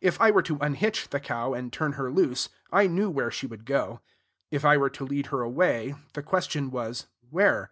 If I were to unhitch the cow, and turn her loose, I knew where she would go. If I were to lead her away, the question was, Where?